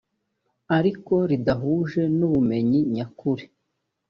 ariko ridahuje n ubumenyi nyakuri